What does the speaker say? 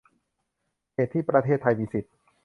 เขตที่ประเทศไทยมีสิทธิ